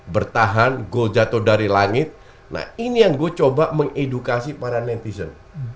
bertahan gue jatuh dari langit nah ini yang gue coba mengedukasi para netizen